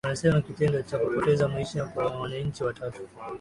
amesema kitendo cha kupoteza maisha kwa wananchi watatu